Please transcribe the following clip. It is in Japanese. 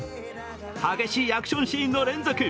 激しいアクションシーンの連続。